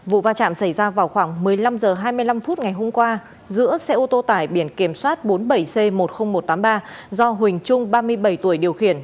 vụ va chạm xảy ra vào khoảng một mươi năm h hai mươi năm phút ngày hôm qua giữa xe ô tô tải biển kiểm soát bốn mươi bảy c một mươi nghìn một trăm tám mươi ba do huỳnh trung ba mươi bảy tuổi điều khiển